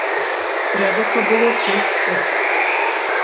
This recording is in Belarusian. Трэба каб было шэсць подпісаў.